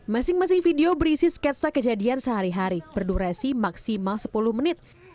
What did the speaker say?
masing masing video berisi sketsa kejadian sehari hari berdurasi maksimal sepuluh menit